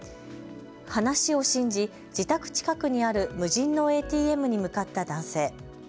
話を信じ、自宅近くにある無人のＡＴＭに向かった男性。